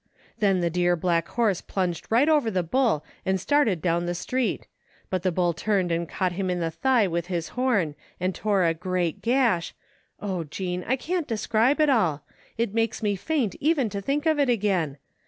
Then the dear black horse plunged right over the bull and started down the street ; but the bull turned and caught him in the thigh with his horn and tore a great gash — oh, Jean, I can't describe it all ! It makes me faint even to think of it again.